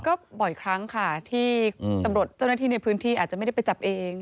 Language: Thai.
ก็บ่อยครั้งค่ะที่ตำรวจเจ้าหน้าที่ในพื้นที่อาจจะไม่ได้ไปจับเอง